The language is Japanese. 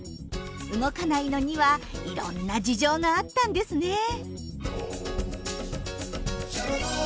動かないのにはいろんな事情があったんですね。